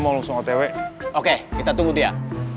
oke kita tunggu dia